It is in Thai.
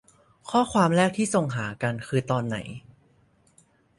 ข้อความแรกที่ส่งหากันคือตอนไหน